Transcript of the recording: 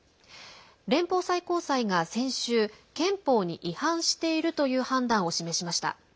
連邦最高裁が先週憲法に違反しているという判断を示しました。